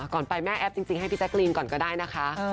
ก่อนไปแม่แอ๊บจริงให้พี่แจ๊กรีนก่อนก็ได้นะคะ